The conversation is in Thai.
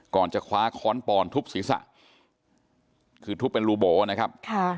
ก่อนจะคว้าค้อนปอนทุบศีรษะคือทุบเป็นรูโบนะครับค่ะ